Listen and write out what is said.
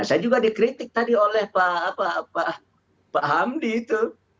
saya juga dikritik tadi oleh pak hamdi itu